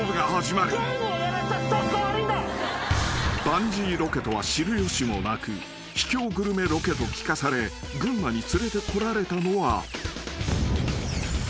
［バンジーロケとは知る由もなく秘境グルメロケと聞かされ群馬に連れてこられたのは］